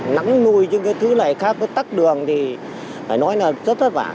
nắng nuôi những thứ này khác với tắt đường thì phải nói là rất vất vả